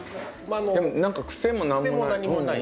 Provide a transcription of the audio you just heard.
でも癖も何もない。